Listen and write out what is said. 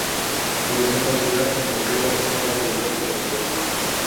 Comenzó a cocinar cuando tenía cinco años de edad junto a su abuela.